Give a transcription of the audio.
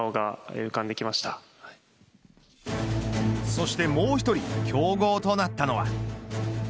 そしてもう１人競合となったのは。